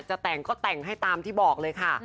จะแต่งก็แต่งให้ตามที่บอกเลยค่ะ